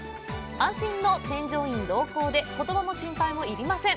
安心の添乗員同行でことばの心配もいりません。